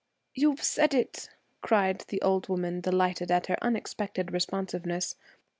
'You've said it!' cried the old woman, delighted at her unexpected responsiveness.